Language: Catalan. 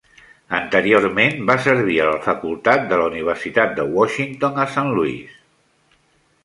Anteriorment va servir a la facultat de la Universitat de Washington a Saint Louis.